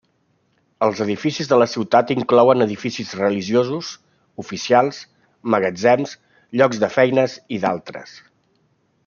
Els edificis de la ciutat inclouen edificis religiosos, oficials, magatzems, llocs de feines, i d'altres.